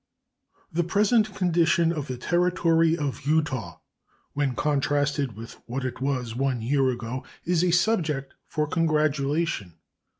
The present condition of the Territory of Utah, when contrasted with what it was one year ago, is a subject for congratulation.